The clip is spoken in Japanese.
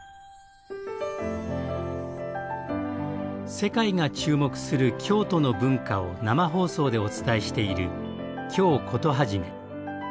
世界が注目する京都の文化を生放送でお伝えしている「京コトはじめ」。